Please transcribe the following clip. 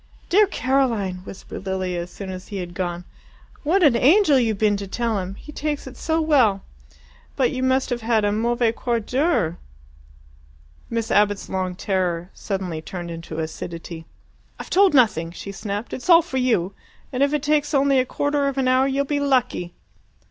"Dear Caroline!" whispered Lilia as soon as he had gone. "What an angel you've been to tell him! He takes it so well. But you must have had a MAUVAIS QUART D'HEURE." Miss Abbott's long terror suddenly turned into acidity. "I've told nothing," she snapped. "It's all for you and if it only takes a quarter of an hour you'll be lucky!"